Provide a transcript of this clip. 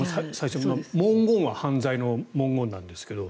文言は犯罪の文言なんですけど。